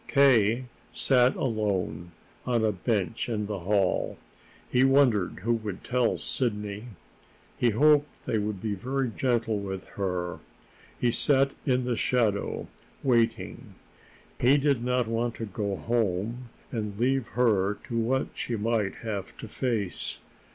K. sat alone on a bench in the hall. He wondered who would tell Sidney; he hoped they would be very gentle with her. He sat in the shadow, waiting. He did not want to go home and leave her to what she might have to face.